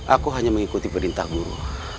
aku hanya mengikuti perintah guru